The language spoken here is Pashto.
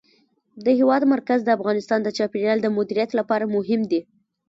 د هېواد مرکز د افغانستان د چاپیریال د مدیریت لپاره مهم دي.